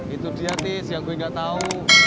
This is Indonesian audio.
itu dia tis yang gue gak tau